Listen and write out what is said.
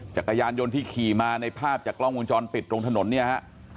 จักรยานยนต์ที่ขี่มาในภาพจากกล้องวงจรปิดตรงถนนเนี่ยฮะ